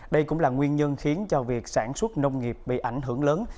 đây cũng là nguyên nhân khiến cho việc sản xuất nông nghiệp bị ảnh hưởng lớn